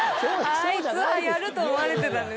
あいつはやると思われてた。